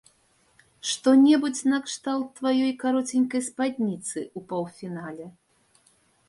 Што-небудзь накшталт тваёй кароценькай спадніцы ў паўфінале?